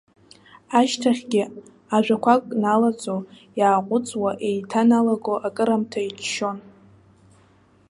Ашьҭахьгьы, ажәақәак налаҵо, иааҟәыҵуа, еиҭаналаго акыраамҭа иччон.